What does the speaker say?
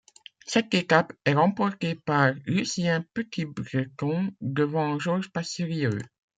Cette étape est remportée par Lucien Petit-Breton devant Georges Passerieu.